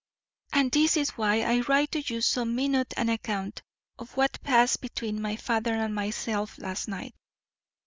And this is why I write you so minute an account of what passed between my father and myself last night.